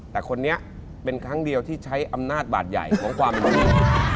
แต่คนนี้เป็นครั้งเดียวที่ใช้อำนาจบาดใหญ่ของความเหล่านี้